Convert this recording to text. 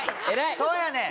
そうやねん！